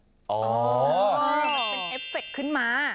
มันเป็นเอฟเฟคขึ้นมา